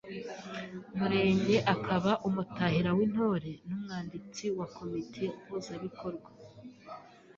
Murenge akaba umutahira w’Intore n’umwanditsi wa Komite Mpuzabikorwa.